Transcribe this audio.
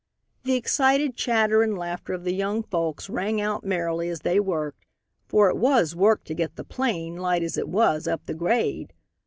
The excited chatter and laughter of the young folks rang out merrily as they worked for it was work to get the 'plane, light as it was, up the grade.